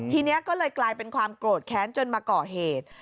ทีนี้ก็เลยกลายเป็นความโกรธแค้นจนมาก่อเหตุ